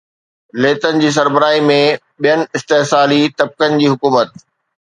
Lenin جي سربراهي ۾ ٻين استحصالي طبقن جي حڪومت